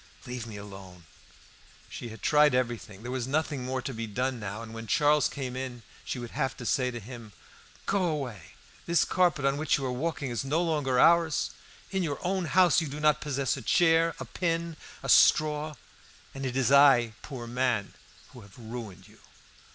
Leave me alone." She had tried everything; there was nothing more to be done now; and when Charles came in she would have to say to him "Go away! This carpet on which you are walking is no longer ours. In your own house you do not possess a chair, a pin, a straw, and it is I, poor man, who have ruined you."